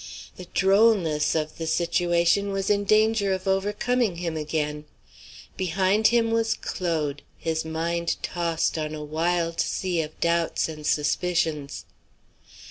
The drollness of the situation was in danger of overcoming him again. Behind him was Claude, his mind tossed on a wild sea of doubts and suspicions.